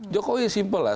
jokowi simpel lah